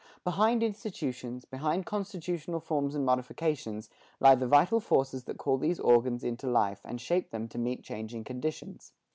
Behind institutions, behind constitutional forms and modifications, lie the vital forces that call these organs into life and shape them to meet changing conditions.